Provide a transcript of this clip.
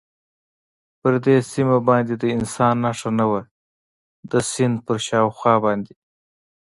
پر دې سیمه باندې د انسان نښه نه وه، د سیند پر شاوخوا باندې.